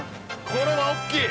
これは大っきい。